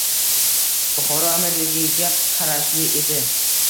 — Buxoro amirligiga qarashli edi.